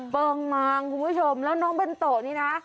เปิงมางคุณผู้ชมแล้วน้องเบนโตนี่นะ